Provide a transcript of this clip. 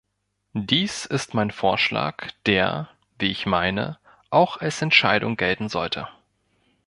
Dies ist mein Vorschlag, der, wie ich meine, auch als Entscheidung gelten sollte.